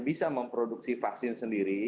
bisa memproduksi vaksin sendiri